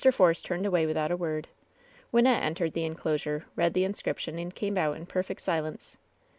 Force turned away without a word. Wynnette entered the inclosure, read the inscription and came out in perfect silence.